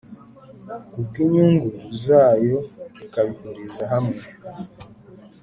ku bw inyungu zayo ikabihuriza hamwe